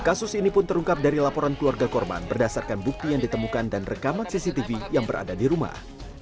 kasus ini pun terungkap dari laporan keluarga korban berdasarkan bukti yang ditemukan dan rekaman cctv yang berada di rumah